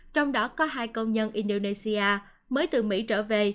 trong đó có hai công nhân indonesia mới từ mỹ trở về